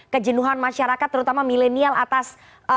kejenuhan masyarakat terutama milenial atas